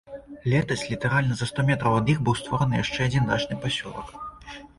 Летась літаральна за сто метраў ад іх быў створаны яшчэ адзін дачны пасёлак.